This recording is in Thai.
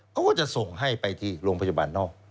เขาก็จะส่งให้ไปที่โรงพยาบาลนอก